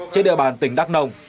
trên địa bàn tỉnh đắk nông